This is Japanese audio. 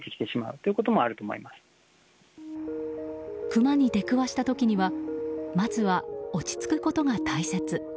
クマに出くわした時にはまずは落ち着くことが大切。